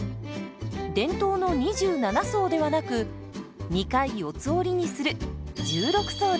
伝統の２７層ではなく２回四つ折りにする１６層です。